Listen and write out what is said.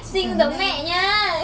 xinh giống mẹ nha